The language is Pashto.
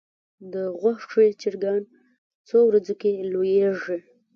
د غوښې چرګان څو ورځو کې لویږي؟